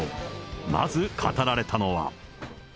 まず語られたのは。